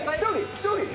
１人？